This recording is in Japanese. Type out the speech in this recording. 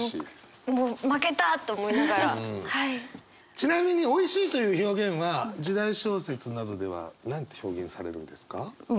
ちなみに「おいしい」という表現は時代小説などでは何て表現されるんですか？